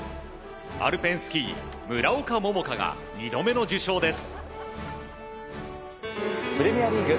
アルペンスキー村岡桃佳が２度目の受賞です。